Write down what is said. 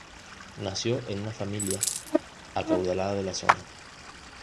Nació en una familia acaudalada de la zona.